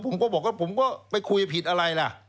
ผมก็บอกว่าผมก็ไปคุยผิดอะไรล่ะ